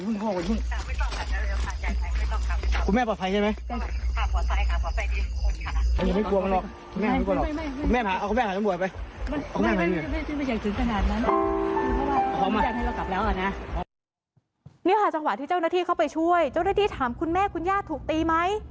นี่ค่ะจังหวะที่เจ้าหน้าที่เข้าไปช่วยเจ้าหน้าที่ถามคุณแม่คุณย่าถูกตีไหม